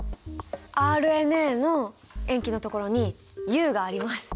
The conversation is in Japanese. ＲＮＡの塩基のところに「Ｕ」があります！